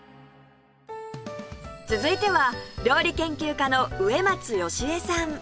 続いては料理研究家の植松良枝さん